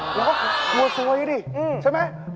หรือตัวซวยดิใช่ไหม